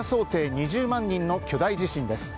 ２０万人の巨大地震です。